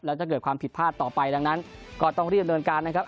แล้วจะเกิดความผิดพลาดต่อไปดังนั้นก็ต้องรีบดำเนินการนะครับ